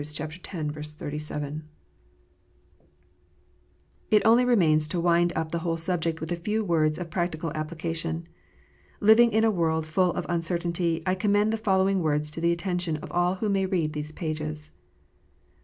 x. 37.) It only remains to wind up the whole subject with a few words of practical application. Living in a world full of un certainty, I commend the following words to the attention of all who may read these pages.